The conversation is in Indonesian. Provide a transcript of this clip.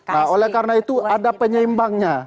nah oleh karena itu ada penyeimbangnya